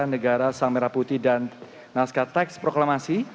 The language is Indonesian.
negara sang merah putih dan naskah teks proklamasi